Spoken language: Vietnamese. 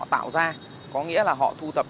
tạo ra có nghĩa là họ thu thập